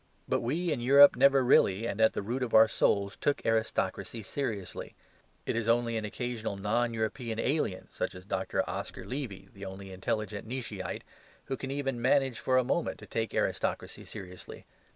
But we in Europe never really and at the root of our souls took aristocracy seriously. It is only an occasional non European alien (such as Dr. Oscar Levy, the only intelligent Nietzscheite) who can even manage for a moment to take aristocracy seriously.